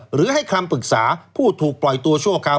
หรือให้คำปรึกษาผู้ถูกปล่อยตัวชั่วคราว